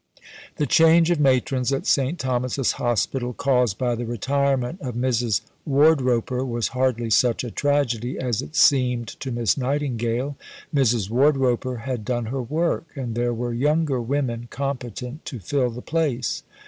The "change of matrons" at St. Thomas's Hospital, caused by the retirement of Mrs. Wardroper, was hardly such a tragedy as it seemed to Miss Nightingale. Mrs. Wardroper had done her work, and there were younger women competent to fill the place.